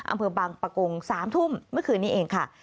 อำเภอบางปะกง๓ทุ่มเมื่อคืนนี้เองค่ะ